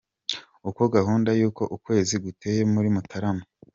Uko gahunda y’uko ukwezi guteye Muri Mutarama.